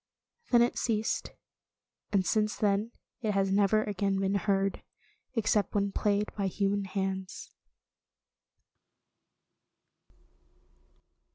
Then it ceased, and since then it has never again been heard, except when played by human hands.